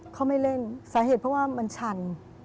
เขาไม่เล่นสาเหตุเพราะว่ามันชัน